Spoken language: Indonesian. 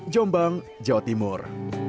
jombang jawa timur